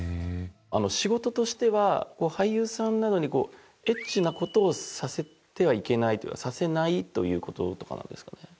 仕事としてはこう俳優さんなどにエッチな事をさせてはいけないというかさせないという事とかなんですかね？